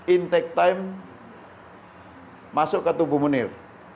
intake time masuk ke tubuh munir